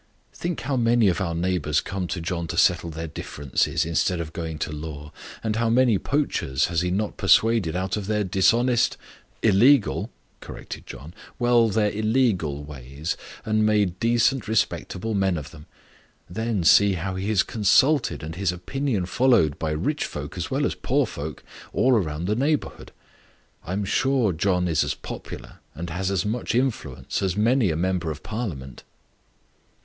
Think how many of our neighbours come to John to settle their differences, instead of going to law! And how many poachers has he not persuaded out of their dishonest " "Illegal," corrected John. "Well, their illegal ways, and made decent, respectable men of them! Then, see how he is consulted, and his opinion followed, by rich folk as well as poor folk, all about the neighbourhood. I am sure John is as popular, and has as much influence, as many a member of parliament."